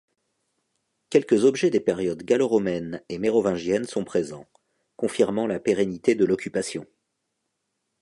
Quelques objets des périodes gallo-romaine et mérovingienne sont présents, confirmant la pérennité de l'occupation.